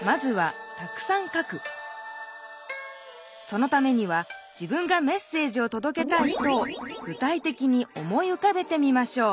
そのためには自分がメッセージをとどけたい人をぐ体てきに思いうかべてみましょう。